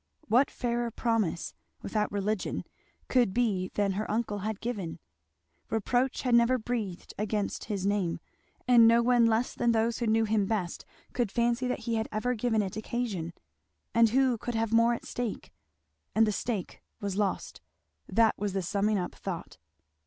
What fairer promise, without religion, could be than her uncle had given? Reproach had never breathed against his name, and no one less than those who knew him best could fancy that he had ever given it occasion. And who could have more at stake? and the stake was lost that was the summing up thought.